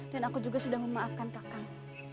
dan aku juga sudah memaafkan kak kang